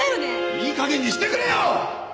いい加減にしてくれよ！